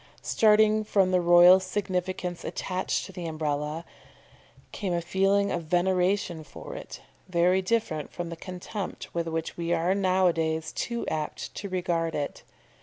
Starting from the royal significance attached to the Umbrella, came a feeling of veneration for it, very different from the contempt with which we are now a days too apt to regard it.